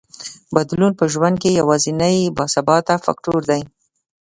بدلون په ژوند کې یوازینی باثباته فکټور دی.